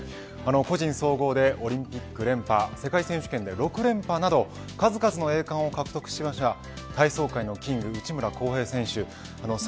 個人総合でオリンピック連覇世界選手権で６連覇など数々の栄冠を獲得しました体操界のキング、内村航平選手